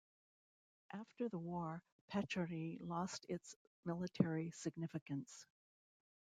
After the war, Pechory lost its military significance.